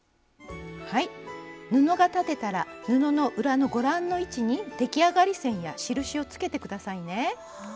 布が裁てたら布の裏のご覧の位置に出来上がり線や印をつけて下さいね。